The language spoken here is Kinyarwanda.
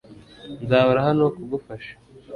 Nzahora hano kugufasha